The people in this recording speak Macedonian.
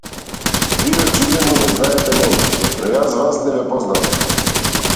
Вие очигледно ме знаете мене, но јас вас не ве познавам.